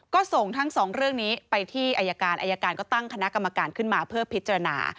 ก็ส่งทั้งสองเรื่องนี้ไปที่อายการอายการก็ตั้งคณะกรรมการขึ้นมาเพื่อพิจารณา